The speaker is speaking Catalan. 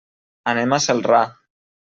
Anem a Celrà.